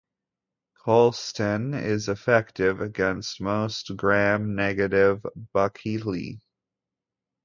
Colistin is effective against most Gram-negative bacilli.